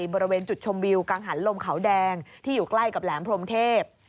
บริเวณจุดชมวิวกังหันลมเขาแดงที่อยู่ใกล้กับแหลมพรมเทพ